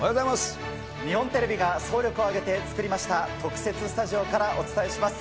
日本テレビが総力を挙げて作りました、特設スタジオからお伝えします。